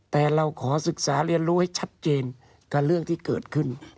แต่เราขอศึกษาเรียนรู้ให้ชัดเจนกับเรื่องที่เกิดขึ้น